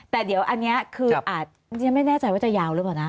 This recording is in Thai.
แต่เดี๋ยวอันนี้คือฉันไม่แน่ใจว่าจะยาวหรือเปล่านะ